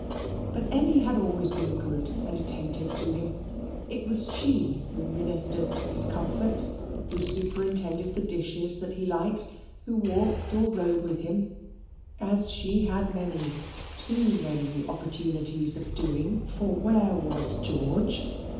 But Emmy had always been good and attentive to him. It was she who ministered to his comforts, who superintended the dishes that he liked, who walked or rode with him (as she had many, too many, opportunities of doing, for where was George?)